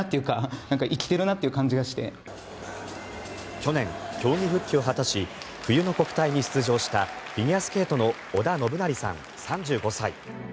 去年、競技復帰を果たし冬の国体に出場したフィギュアスケートの織田信成さん、３５歳。